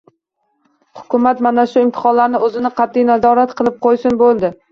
Hukumat mana shu imtihonlarni o‘zini qattiq nazorat qilib qo‘ysin, bo‘ldi.